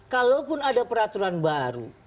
kalaupun ada peraturan baru